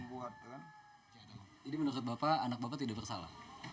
jadi menurut bapak anak bapak tidak bersalah